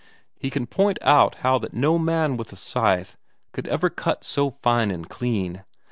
He can point out how that no man with a scythe could ever cut so fine and clean.